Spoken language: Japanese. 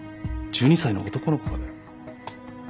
１２歳の男の子がだよ。